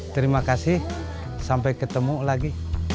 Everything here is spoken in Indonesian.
terima kasih sampai ketemu lagi